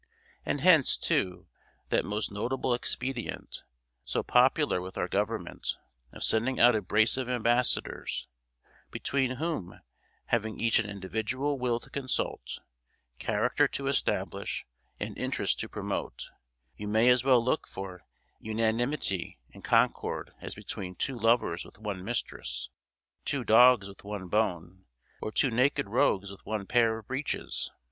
And hence, too, that most notable expedient, so popular with our government, of sending out a brace of ambassadors, between whom, having each an individual will to consult, character to establish, and interest to promote, you may as well look for unanimity and concord as between two lovers with one mistress, two dogs with one bone, or two naked rogues with one pair of breeches.